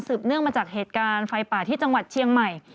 เนื่องมาจากเหตุการณ์ไฟป่าที่จังหวัดเชียงใหม่